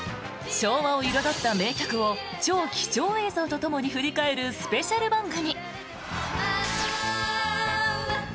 昭和を彩った名曲を超貴重映像とともに振り返るスペシャル番組。